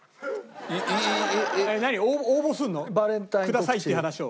「ください」っていう話を。